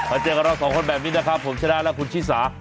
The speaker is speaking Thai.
เจอกับเราสองคนแบบนี้นะครับผมชนะและคุณชิสา